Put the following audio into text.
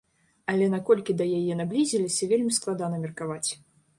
Але наколькі да яе наблізіліся, вельмі складана меркаваць.